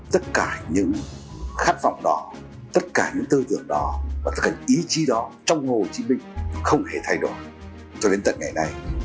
tất cả những khát vọng đó tất cả những tư tưởng đó và tất cả ý chí đó trong hồ chí minh không hề thay đổi cho đến tận ngày nay